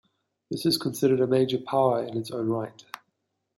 This is considered a major power in its own right.